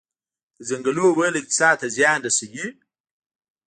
د ځنګلونو وهل اقتصاد ته زیان رسوي؟